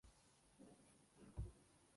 ننګرهار د افغانستان د بڼوالۍ برخه ده.